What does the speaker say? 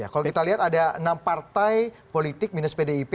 kalau kita lihat ada enam partai politik minus pdip